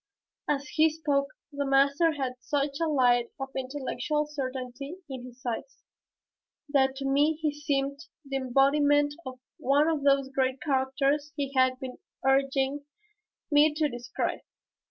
As he spoke the master had such a light of intellectual certainty in his eyes that to me he seemed the embodiment of one of those great characters he had been urging me to describe.